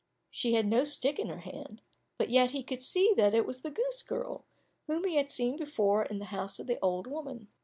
She had no stick in her hand, but yet he could see that it was the goose girl, whom he had seen before in the house of the old woman.